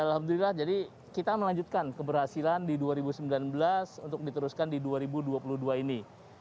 alhamdulillah jadi kita melanjutkan keberhasilan di dua ribu sembilan belas untuk diteruskan di dua ribu dua puluh dua ini